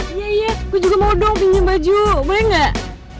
iya iya aku juga mau dong bikin baju boleh gak